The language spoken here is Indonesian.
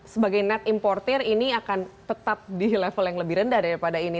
sebagai net importer ini akan tetap di level yang lebih rendah daripada ini